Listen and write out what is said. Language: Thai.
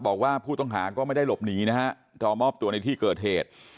บอกว่าผู้ต้องหาก็ไม่ได้หลบหนีนะฮะรอมอบตัวในที่เกิดเหตุ